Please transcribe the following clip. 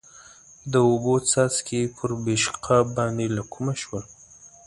د اوبو څاڅکي پر پېشقاب باندې له کومه شول؟